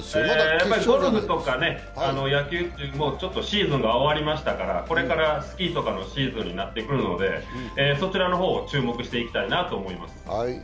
ゴルフとか野球って、シーズンが終わりましたからこれからスキーとかのシーズンになってくるんでそちらの方、注目していきたいなと思います。